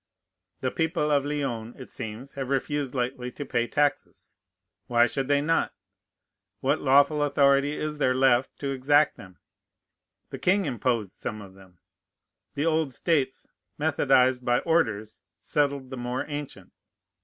The people of Lyons, it seems, have refused lately to pay taxes. Why should they not? What lawful authority is there left to exact them? The king imposed some of them. The old States, methodized by orders, settled the more ancient.